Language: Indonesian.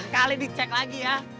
sekali di cek lagi ya